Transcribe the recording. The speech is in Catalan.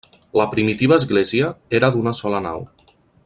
La primitiva església era d'una sola nau.